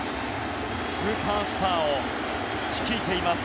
スーパースターを率いています